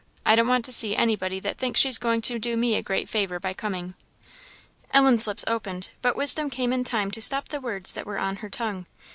I don't want to see anybody that thinks she's going to do me a great favour by coming." Ellen's lips opened, but wisdom came in time to stop the words that were on her tongue.